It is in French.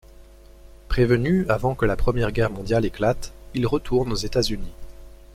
Prévenu avant que la Première Guerre mondiale éclate, il retourne aux États-Unis.